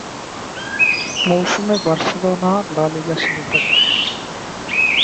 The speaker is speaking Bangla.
মৌসুমে বার্সেলোনা লা লিগা শিরোপা জেতে।